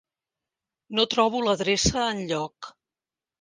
No trobo l'adreça enlloc.